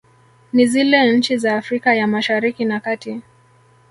Ni zile nchi za Afrika ya mashariki na kati